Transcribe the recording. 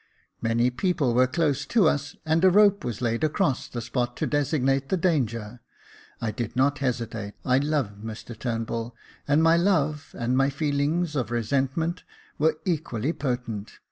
Many people were close to us, and a rope was laid across the spot to designate the danger. I did not hesitate — I loved Mr Turnbull, and my love and my feelings of resentment were equally potent.